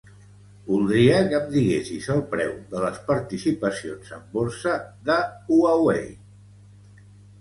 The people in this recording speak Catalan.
Voldria que em diguessis el preu de les participacions en borsa de Huawei.